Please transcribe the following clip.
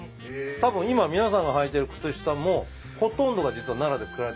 たぶん今皆さんがはいてる靴下もほとんどが実は奈良で作られてますもんね。